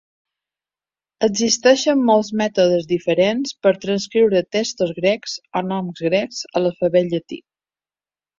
Existeixen molts mètodes diferents per transcriure textos grecs o noms grecs a l'alfabet llatí.